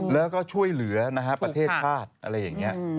แล้วก็ช่วยเหลือนะฮะประเทศชาติอะไรอย่างนี้